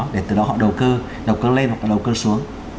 để từ đó họ đầu cơ đầu cơ lên hoặc là đầu cơ xuống